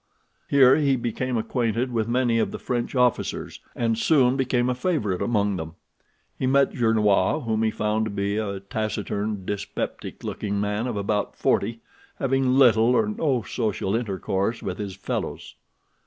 Here he became acquainted with many of the French officers, and soon became a favorite among them. He met Gernois, whom he found to be a taciturn, dyspeptic looking man of about forty, having little or no social intercourse with his fellows.